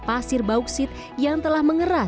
pasir bauksit yang telah mengeras